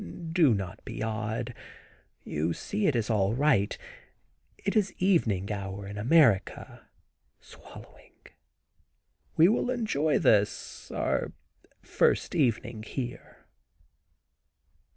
"Do not be odd; you see it is all right. It is evening hour in America (swallowing); we will enjoy this, our first evening here."